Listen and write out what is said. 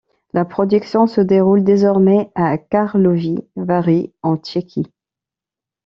La production se déroule désormais à Karlovy Vary en Tchéquie.